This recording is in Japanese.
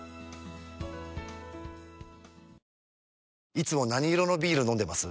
いつも何色のビール飲んでます？